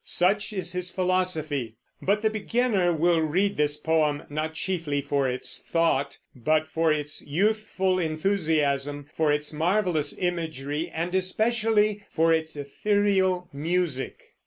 Such is his philosophy; but the beginner will read this poem, not chiefly for its thought, but for its youthful enthusiasm, for its marvelous imagery, and especially for its ethereal music.